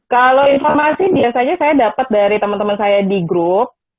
kalau informasi biasanya saya dapat dari teman teman saya di grup